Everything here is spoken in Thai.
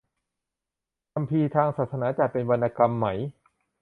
คัมภีร์ทางศาสนาจัดเป็นวรรณกรรมไหม